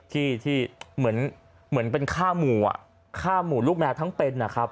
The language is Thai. ที่เหมือนเป็นข้ามูอ่ะข้ามูลูกแมวทั้งเป็น